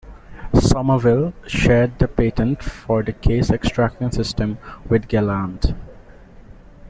Sommerville shared the patent for the case extracting system with Galand.